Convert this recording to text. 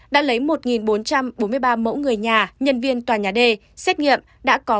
đã lấy một bốn trăm bốn mươi ba mẫu người nhà nhân viên tòa nhà đề xét nghiệm đã có một bốn trăm ba mươi